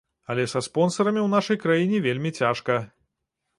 Але са спонсарамі ў нашай краіне вельмі цяжка.